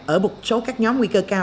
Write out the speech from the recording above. ở một số các nhóm nguy cơ cao